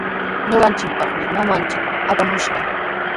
Ñuqanchikpaqmi mamanchik apamushqa.